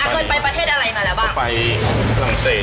อ่ะเคยไปประเทศอะไรมาหรือบ้างผมไปพลังเศสอิตาลีไซเฟน